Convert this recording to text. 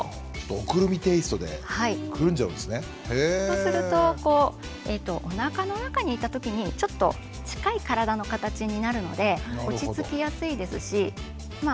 そうするとおなかの中にいた時にちょっと近い体の形になるので落ち着きやすいですしま